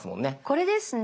これですね。